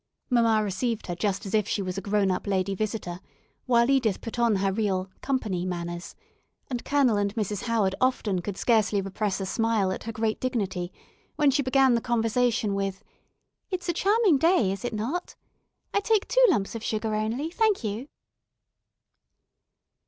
Mamma received her just as if she was a grown up lady visitor, while Edith put on her real "company" manners, and Colonel and Mrs. Howard often could scarcely repress a smile at her great dignity when she began the conversation with, "It's a charming day, is it not." "I take two lumps of sugar only, thank you."